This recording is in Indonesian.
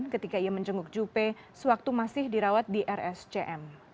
ketika ia menjenguk juppe sewaktu masih dirawat di rscm